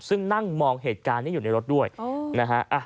ซึ่งนั่งมองเหตุการณ์นี้อยู่ในรถด้วยนะฮะ